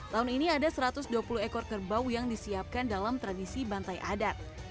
tahun ini ada satu ratus dua puluh ekor kerbau yang disiapkan dalam tradisi bantai adat